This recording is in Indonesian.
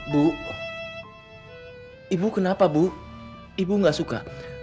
bu ibu kenapa bu ibu gak suka